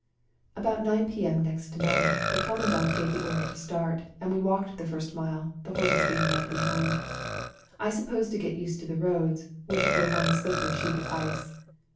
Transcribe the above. About 9 p.m. next night the Comman dant gave the order to start, and we walked the first mile, the horses being led behind, I suppose to get used to the roads, which were one slippery sheet of ice.